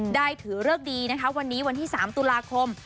ถือเลิกดีนะคะวันนี้วันที่๓ตุลาคม